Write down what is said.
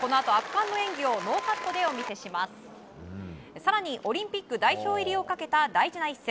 更にオリンピック代表入りをかけた大事な一戦。